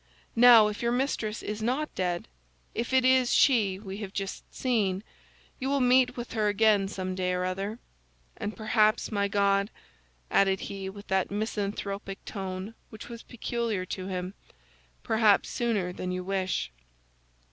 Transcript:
Now, if your mistress is not dead, if it is she we have just seen, you will meet with her again some day or other. And perhaps, my God!" added he, with that misanthropic tone which was peculiar to him, "perhaps sooner than you wish."